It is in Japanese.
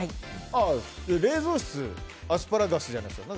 冷蔵室アスパラガスじゃないですか。